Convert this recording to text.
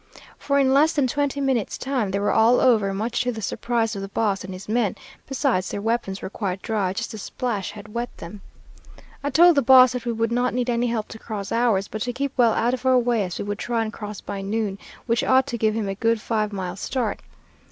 For in less than twenty minutes' time they were all over, much to the surprise of the boss and his men; besides, their weapons were quite dry; just the splash had wet them. "I told the boss that we would not need any help to cross ours, but to keep well out of our way, as we would try and cross by noon, which ought to give him a good five mile start.